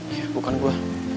ya bukan gue